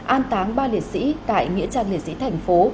an táng ba liệt sĩ tại nghĩa trang liệt sĩ thành phố